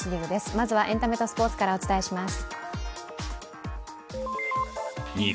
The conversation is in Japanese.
まずはエンタメとスポーツからお伝えします。